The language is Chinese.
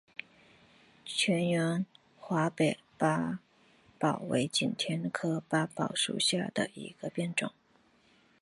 全缘华北八宝为景天科八宝属下的一个变种。